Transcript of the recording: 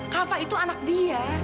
kava itu anak dia